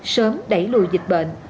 sớm đẩy lùi dịch bệnh